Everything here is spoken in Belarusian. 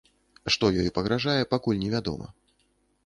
Што ёй пагражае, пакуль невядома.